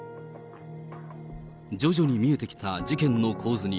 徐々に見えてきた事件の構図に、